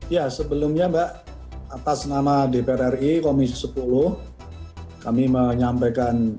ya sebelumnya mbak atas nama dpr ri komisi sepuluh kami menyampaikan